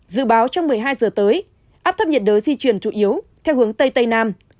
dự báo trong một mươi hai giờ tới áp thấp nhiệt đới di chuyển chủ yếu theo hướng tây tây nam